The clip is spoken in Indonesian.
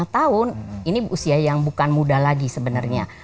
lima tahun ini usia yang bukan muda lagi sebenarnya